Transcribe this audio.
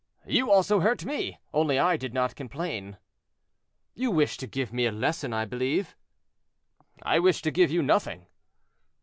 "You also hurt me, only I did not complain." "You wish to give me a lesson, I believe?" "I wish to give you nothing."